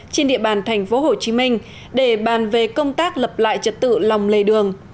trên địa bàn tp hồ chí minh để bàn về công tác lập lại trật tự lòng lề đường